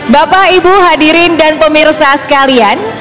bapak ibu hadirin dan pemirsa sekalian